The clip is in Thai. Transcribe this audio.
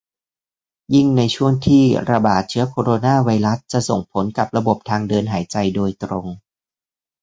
ยิ่งในช่วงที่ ระบาด เชื้อโคโรนาไวรัสจะส่งผลกับระบบทางเดินหายใจโดยตรง